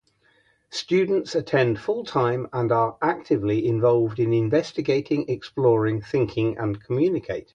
Students attend full time and are actively involved in investigating, exploring, thinking and communicating.